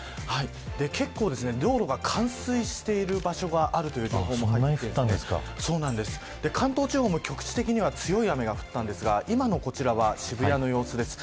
結構、道路が冠水している場所があるということで関東地方も局地的に強い雨が降ったんですが今のこちらは渋谷の様子です。